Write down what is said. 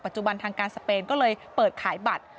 จุบันทางการสเปนก็เลยเปิดขายบัตร